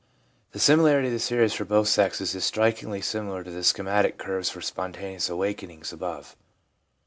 o o o 4 4 12 28 28 12 4 4 The similarity of the series for both sexes is strik ingly similar to the schematic curves for spontaneous awakenings above.